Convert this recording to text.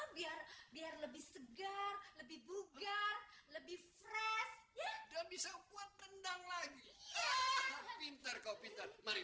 lebih segar lebih bugar lebih fresh bisa kuat rendang lagi pintar kau pindah mari